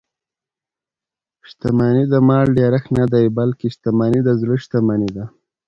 شتمني د مال ډېرښت نه دئ؛ بلکي شتمني د زړه شتمني ده.